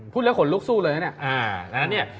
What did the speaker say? พูดแล้วขนลุกสู้เลยนะ